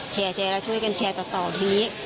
แชร์แชร์แล้วช่วยกันแชร์ต่อที